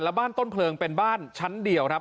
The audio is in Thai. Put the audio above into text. และบ้านต้นเพลิงเป็นบ้านชั้นเดียวครับ